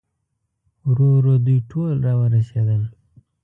ورو ورو دوی ټول راورسېدل.